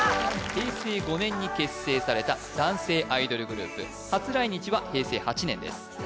平成５年に結成された男性アイドルグループ初来日は平成８年です